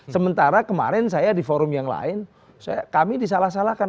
sementara kemarin saya di forum yang lain kami disalah salahkan